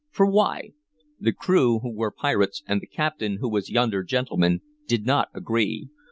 For why? The crew, who were pirates, and the captain, who was yonder gentleman, did not agree.